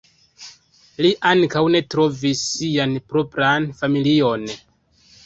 Li ankaŭ ne trovis sian propran familion.